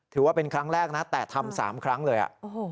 ถือว่าเป็นครั้งแรกนะแต่ทำ๓ครั้งเลย